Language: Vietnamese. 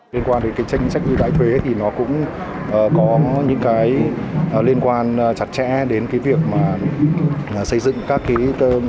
liên quan đến cái tranh sách ưu đãi thuế thì nó cũng có những cái liên quan chặt chẽ đến cái việc mà xây dựng các cái